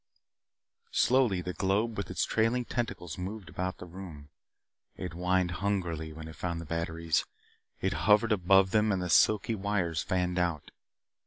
Slowly the globe with its trailing tentacles moved about the room. It whined hungrily when it found the batteries. It hovered above them and the silky wires fanned out.